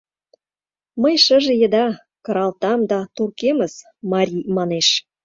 — Мый шыже еда кыралтам, да туркемыс, — марий манеш.